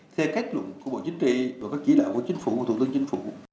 theo cách luận của bộ chính trị và các chỉ đạo của thủ tướng chính phủ